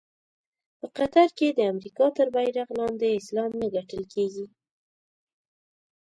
په قطر کې د امریکا تر بېرغ لاندې اسلام نه ګټل کېږي.